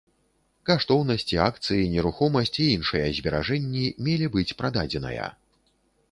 Каштоўнасці, акцыі, нерухомасць і іншыя зберажэнні мелі быць прададзеная.